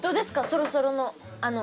そろそろあの。